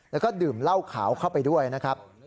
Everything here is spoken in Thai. แล้วก็ดื่มเหล้าขาวเข้าไปด้วยนะครับ